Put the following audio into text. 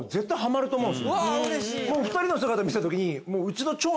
お二人の姿見たときに。